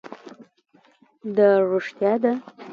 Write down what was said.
دا رښتیا ده